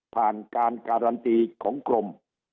ผ่านการการันตีของกรม